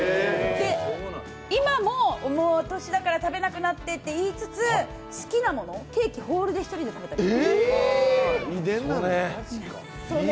今も「もう歳だから食べなくなって」って言いつつ好きなもの、ケーキ、ホールを１人で食べたり。